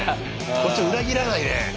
こっちを裏切らないね。